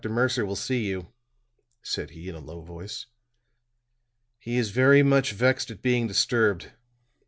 Mercer will see you," said he in a low voice. "He is very much vexed at being disturbed.